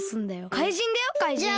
かいじんだよかいじん。